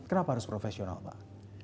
kenapa harus profesional pak